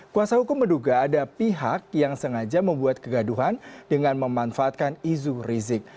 kuasa hukum menduga ada pihak yang sengaja membuat kegaduhan dengan memanfaatkan isu rizik